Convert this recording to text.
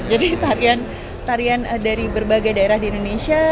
jadi tarian dari berbagai daerah di indonesia